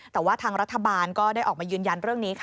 แต่ว่าทางรัฐบาลก็ได้ออกมายืนยันเรื่องนี้ค่ะ